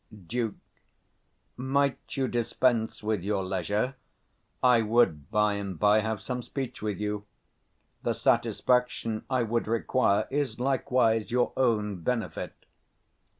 150 Duke. Might you dispense with your leisure, I would by and by have some speech with you: the satisfaction I would require is likewise your own benefit.